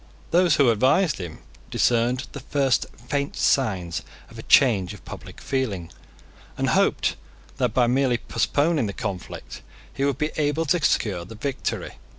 Those who advised him discerned the first faint signs of a change of public feeling, and hoped that, by merely postponing the conflict, he would be able to secure the victory.